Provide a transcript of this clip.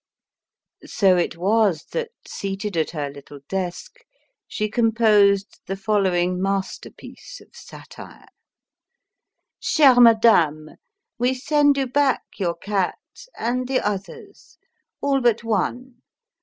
So it was that, seated at her little desk, she composed the following masterpiece of satire: CHÈRE MADAME, We send you back your cat, and the others all but one.